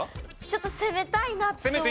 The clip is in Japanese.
ちょっと攻めたいなとは思って。